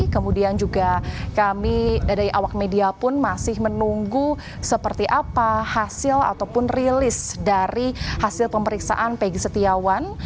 kemudian juga kami dari awak media pun masih menunggu seperti apa hasil ataupun rilis dari hasil pemeriksaan peggy setiawan